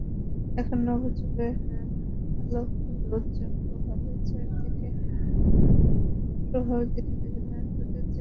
এখন নবযুগের আলোকোজ্জ্বল প্রভাবে দিকে দিকে নারী প্রগতির জয়গান ঘোষিত হচ্ছে।